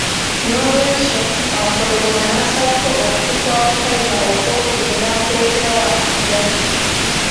N'olwekyo Wampologoma nasalako okutu kwa Wakayima okw'okubiri n'akuleetera Wandiga.